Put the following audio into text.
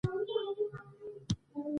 لرګی ژر وسوځي.